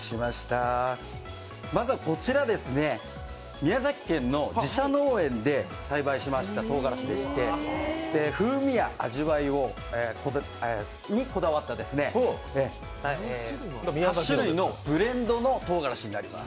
まずはこちら、宮崎県の自社農園で栽培しましたとうがらしでして、風味や味わいにこだわった、８種類のブレンドのとうがらしになります。